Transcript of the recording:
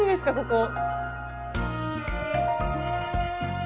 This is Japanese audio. ここ。